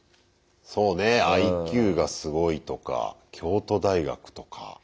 そうねＩＱがすごいとか京都大学とか。